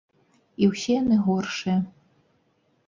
І ўсе яны горшыя.